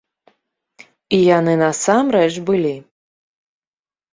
І яны насамрэч былі!